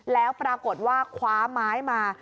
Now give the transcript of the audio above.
แล้วปรากฏว่าคว้าไม้มา